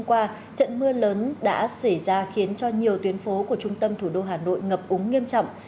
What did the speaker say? hôm qua trận mưa lớn đã xảy ra khiến cho nhiều tuyến phố của trung tâm thủ đô hà nội ngập úng nghiêm trọng